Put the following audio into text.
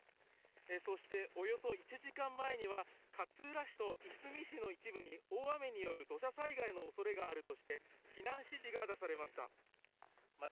そして、およそ１時間前には勝浦市といすみ市の一部に大雨による土砂災害の恐れがあるとして避難指示が出されました。